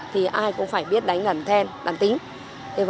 thì ai cũng phải biết đánh ẩn then đàn tính